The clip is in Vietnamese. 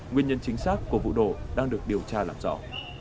nguyên nhân chính xác của vụ nổ đang được điều tra làm rõ